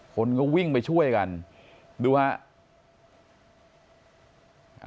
คนก็วิ่งไปช่วยกันดูฮะ